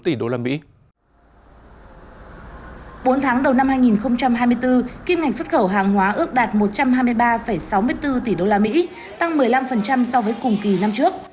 bốn tháng đầu năm hai nghìn hai mươi bốn kim ngạch xuất khẩu hàng hóa ước đạt một trăm hai mươi ba sáu mươi bốn tỷ usd tăng một mươi năm so với cùng kỳ năm trước